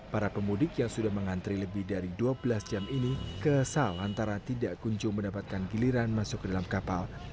para pemudik yang sudah mengantri lebih dari dua belas jam ini kesal antara tidak kunjung mendapatkan giliran masuk ke dalam kapal